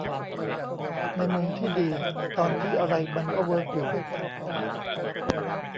ในมุมที่ดี ตอนที่อะไรมันก็เวิร์กอยู่